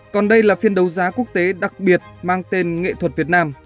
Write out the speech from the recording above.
còn đây là phiên đấu giá quốc tế đặc biệt mang tên nghệ thuật việt nam